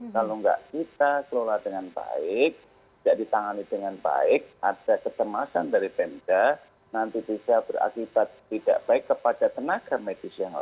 kalau tidak kita kelola dengan baik tidak ditangani dengan baik ada kecemasan dari pemda nanti bisa berakibat tidak baik kepada tenaga medis yang lain